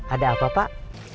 ada apa pak